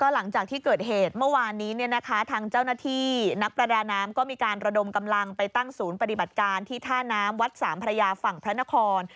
หลังจากที่เกิดเหตุเมื่อวานนี้ทางเจ้าหน้าที่นักประดาน้ำก็มีการระดมกำลังไปตั้งศูนย์ปฏิบัติการที่ท่าน้ำวัดสามพระยาฝั่งพระนคร